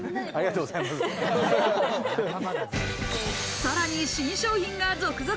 さらに新商品が続々。